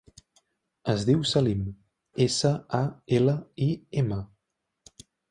Es diu Salim: essa, a, ela, i, ema.